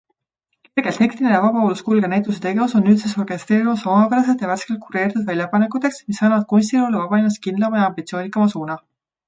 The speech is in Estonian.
Kergelt hektiline ja vabavoolus kulgev näituse tegevus on nüüdsest orkestreerumas omapäraselt ja värskelt kureeritud väljapanekuteks, mis annavad kunstielule vanalinnas kindlama ja ambitsioonikama suuna.